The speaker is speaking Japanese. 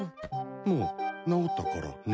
もう治ったからね。